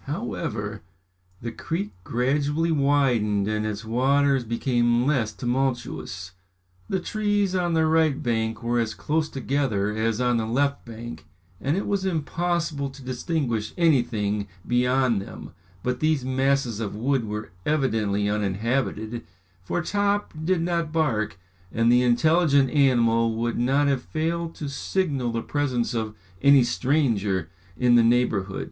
However, the creek gradually widened and its waters became less tumultuous. The trees on the right bank were as close together as on the left bank, and it was impossible to distinguish anything beyond them, but these masses of wood were evidently uninhabited, for Top did not bark, and the intelligent animal would not have failed to signal the presence of any stranger in the neighbourhood.